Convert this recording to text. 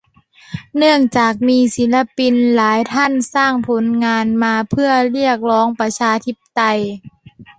เนื่องจากมีศิลปินหลายท่านสร้างผลงานมาเพื่อเรียกร้องประชาธิปไตย